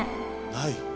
ない。